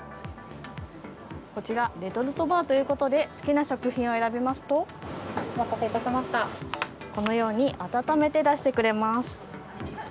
こちらレトルトバーということで好きな食品を選びますとこのように温めて出してくれます。